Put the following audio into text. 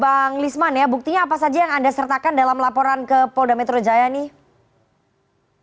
bang lisman ya buktinya apa saja yang anda sertakan dalam laporan ke polda metro jaya nih